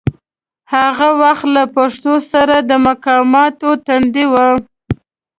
هغه وخت له پښتو سره د مقاماتو تندي و.